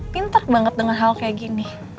pinter banget dengan hal kayak gini